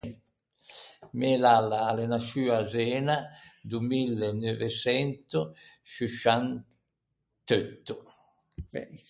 Mæ lalla a l’é nasciua à Zena do mille neuve çento sciusciant’eutto.